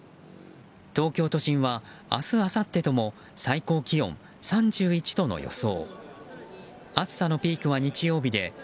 東京都心は明日あさってとも最高気温３１度の予想。